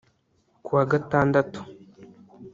Ku wa Gatandatu